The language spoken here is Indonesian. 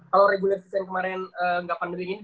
kalau reguler season kemarin nggak pandemi ini